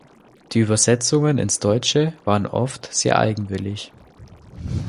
Die Übersetzungen ins Deutsche waren oft sehr eigenwillig.